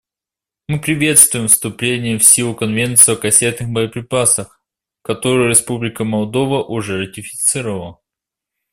Мы приветствуем вступление в силу Конвенции о кассетных боеприпасах, которую Республика Молдова уже ратифицировала.